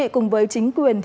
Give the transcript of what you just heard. cùng với chính quyền